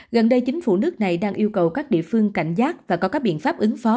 gần đây chính phủ nước này đang yêu cầu các địa phương cảnh giác và có các biện pháp ứng phó